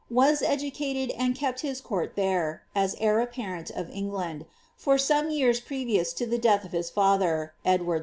was cduciteii and kept his court there, as heii^pparent of England, for soBie jetis previous to the death of his father, Edward IV.